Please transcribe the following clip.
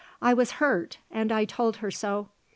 I was hurt and I told her so.